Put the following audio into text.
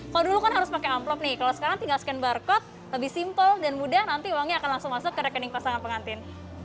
kalau dulu kan harus pakai amplop nih kalau sekarang tinggal scan barcode lebih simple dan mudah nanti uangnya akan langsung masuk ke rekening pasangan pengantin